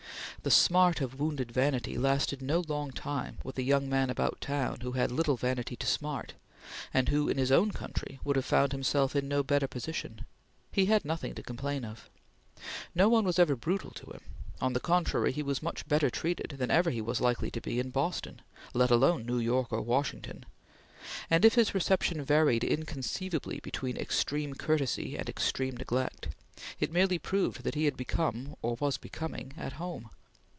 The smart of wounded vanity lasted no long time with a young man about town who had little vanity to smart, and who, in his own country, would have found himself in no better position. He had nothing to complain of. No one was ever brutal to him. On the contrary, he was much better treated than ever he was likely to be in Boston let alone New York or Washington and if his reception varied inconceivably between extreme courtesy and extreme neglect, it merely proved that he had become, or was becoming, at home.